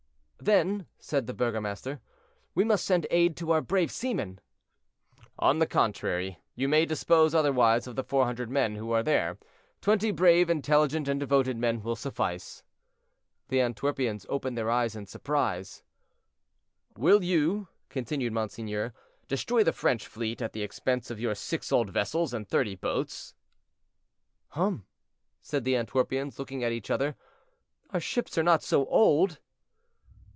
"Then," said the burgomaster, "we must send aid to our brave seamen." "On the contrary, you may dispose otherwise of the 400 men who are there; twenty brave, intelligent, and devoted men will suffice." The Antwerpians opened their eyes in surprise. "Will you," continued monseigneur, "destroy the French fleet at the expense of your six old vessels and thirty boats?" "Hum!" said the Antwerpians, looking at each other, "our ships are not so old."